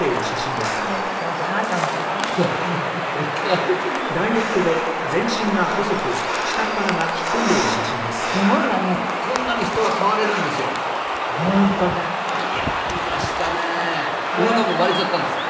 おなかも割れちゃったんですよ。